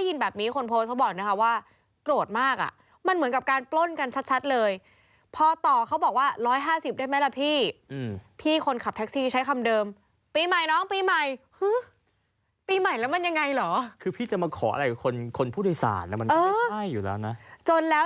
ขอแบบนี้ก็ได้เหรอขอ๒๐๐น้องปีใหม่ปีใหม่หื้อ